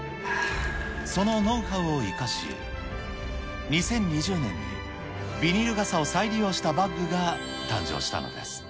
そのノウハウを生かし、２０２０年にビニール傘を再利用したバッグが誕生したのです。